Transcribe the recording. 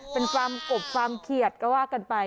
เป็นฟาร์มกบฟาร์มเขียดก็ว่ากันไป